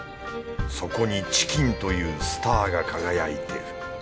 そこにチキンというスターが輝いてる。